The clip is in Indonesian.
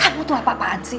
kamu tuh apa apaan sih